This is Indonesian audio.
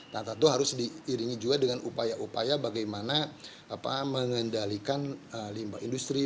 nah tentu harus diiringi juga dengan upaya upaya bagaimana mengendalikan limbah industri